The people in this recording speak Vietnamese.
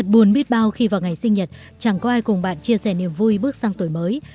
buồn biết bao khi vào ngày sinh nhật chẳng có ai cùng bạn chia sẻ niềm vui bước sang tuổi mới